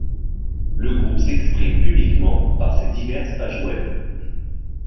Le groupe s'exprime publiquement par ses diverses pages webs.